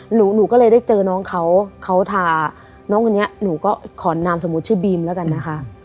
หนูหนูก็เลยได้เจอน้องเขาเขาทาน้องคนนี้หนูก็ขอนามสมมุติชื่อบีมแล้วกันนะคะ